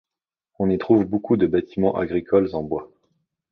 On y trouve beaucoup de bâtiments agricoles en bois.